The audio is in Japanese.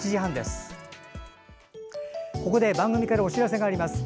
ここで番組からお知らせがあります。